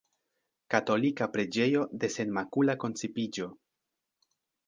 Katolika preĝejo de Senmakula koncipiĝo.